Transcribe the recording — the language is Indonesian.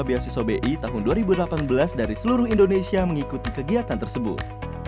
beasiswa bi tahun dua ribu delapan belas dari seluruh indonesia mengikuti kegiatan tersebut